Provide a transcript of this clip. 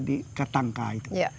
di ketangka itu